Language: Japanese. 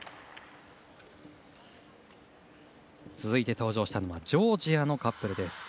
続いて登場したのはジョージアのカップル。